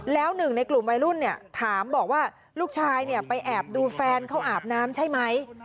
แล้วหนึ่งในกลุ่มวัยรุ่นเนี่ยถามบอกว่าลูกชายไปแอบดูแฟนเขาอาบน้ำใช่ไหม